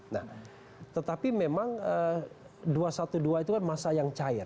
nah tetapi memang dua ratus dua belas itu kan masa yang cair